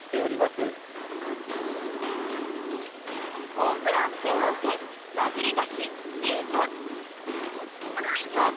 モンブラン専門店和栗菓子ｋｉｉｔｏ−生糸−。